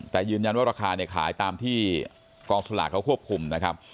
แต่ยืนยันว่าราคาเนี่ยขายตามที่กองสลากเขาควบคุมนะครับ